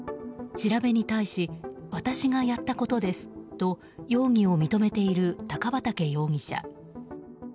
調べに対し私がやったことですと容疑を認めている高畠容疑者。